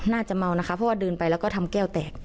น่าจะเมานะคะเพราะว่าเดินไปแล้วก็ทำแก้วแตก